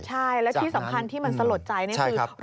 ใช่และที่สำคัญที่มันสลดใจนี่คือ